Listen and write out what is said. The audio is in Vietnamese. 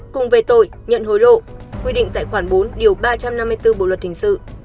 cùng về tội nhận hối lộ quy định tại khoản bốn điều ba trăm năm mươi bốn bộ luật hình sự